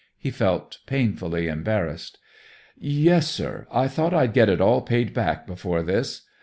He felt painfully embarrassed. "Yes, sir. I thought I'd get it all paid back before this.